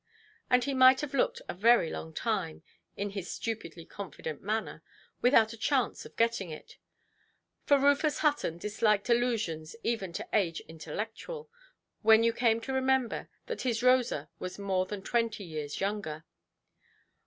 And he might have looked a very long time, in his stupidly confident manner, without a chance of getting it; for Rufus Hutton disliked allusions even to age intellectual, when you came to remember that his Rosa was more than twenty years younger.